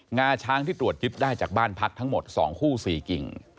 งาช้างที่ตรวจยึดได้จากบ้านพักทั้งหมด๒คู่๔กิ่ง